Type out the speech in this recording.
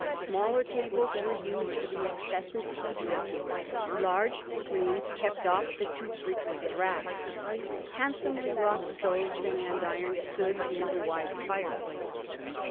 Smaller tables were used for the incessant tea drinking. Large screens kept off the too frequent draughts. Handsomely wrought stoves and andirons stood in the wide fireplaces.